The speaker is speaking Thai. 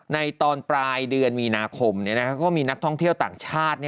ในตอนปลายเดือนมีนาคมก็มีนักท่องเที่ยวต่างชาติ